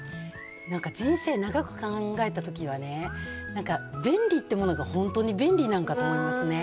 なんか人生長く考えたときはね、なんか便利ってものが、本当に便利なんかと思いますね。